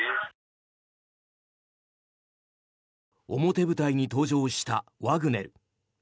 表舞台に登場したワグネル。